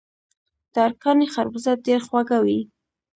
د ارکاني خربوزه ډیره خوږه وي.